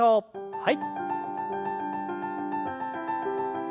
はい。